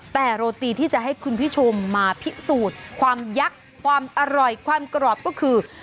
แต่โรตีที่จะให้คุณผู้ชมมาพิสูจน์ความยักษ์ความอร่อยความกรอบก็คือ